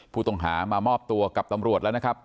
ผู้ต้องหามามอบตัวกับตำรวจแล้วนะครับ